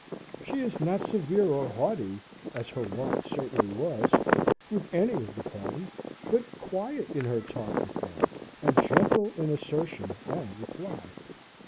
She is not severe or haughty (as her wont certainly was) with any of the party, but quiet in her talk with them, and gentle in assertion and reply.